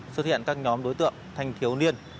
xuất hiện các nhóm đối tượng thanh thiếu niên